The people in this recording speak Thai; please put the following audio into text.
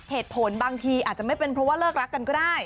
บางทีอาจจะไม่เป็นเพราะว่าเลิกรักกันก็ได้